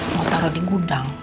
mau taro di gudang